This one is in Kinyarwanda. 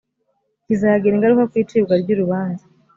kizagira ingaruka ku icibwa ry’urubanza